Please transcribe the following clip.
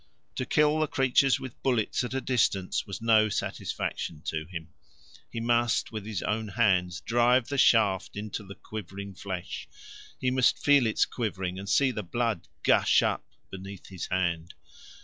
To kill the creatures with bullets at a distance was no satisfaction to him: he must with his own hands drive the shaft into the quivering flesh he must feel its quivering and see the blood gush up beneath his hand.